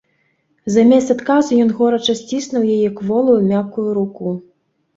Замест адказу ён горача сціснуў яе кволую, мяккую руку.